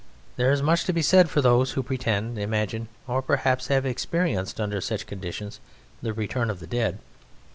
There is much to be said for those who pretend, imagine, or perhaps have experienced under such conditions the return of the dead.